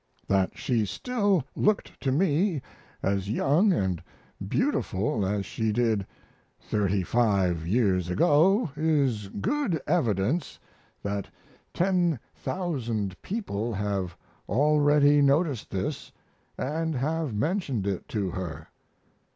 That she still looked to me as young and beautiful as she did thirty five years ago is good evidence that ten thousand people have already noticed this and have mentioned it to her.